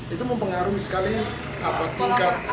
itu mempengaruhi sekali tingkat konsumsi yang kita makan